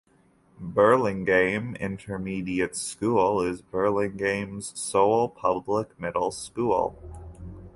Burlingame Intermediate School is Burlingame's sole public middle school.